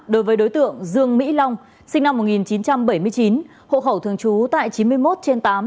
đối với đối tượng dương mỹ long sinh năm một nghìn chín trăm bảy mươi chín hộ khẩu thường trú tại chín mươi một trên tám